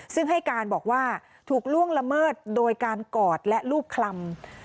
ซึ่งให้การบอกว่าถูกล่วงละเมิดโดยการกอดและรูปคลำ